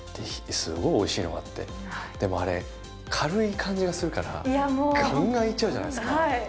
すごいおいしいのがあって、でもあれ、軽い感じがするから、がんがんいっちゃうじゃないですか。